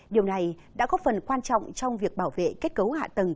điều này đã góp phần quan trọng trong việc bảo vệ kết cấu hạ tầng